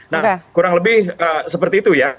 nah kurang lebih seperti itu ya